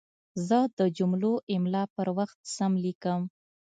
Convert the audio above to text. زه د جملو املا پر وخت سم لیکم.